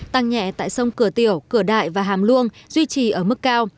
tăng nhẹ tại sông cửa tiểu cửa đại và hàm luông duy trì ở mức cao